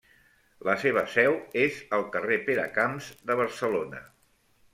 La seva seu és al carrer Peracamps de Barcelona.